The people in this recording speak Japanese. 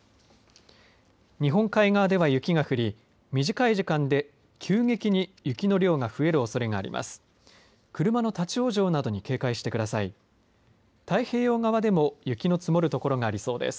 日本海側では雪が降り短い時間で急激に雪の量が増えるおそれがあります。